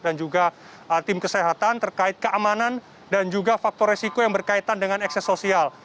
dan juga tim kesehatan terkait keamanan dan juga faktor resiko yang berkaitan dengan ekses sosial